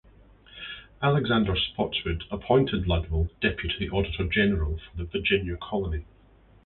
Alexander Spotswood appointed Ludwell deputy auditor general for the Virginia colony.